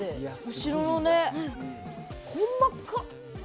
後ろの細かい！